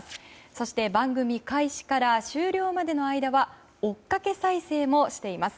そして番組開始から終了までの間は追っかけ再生もしています。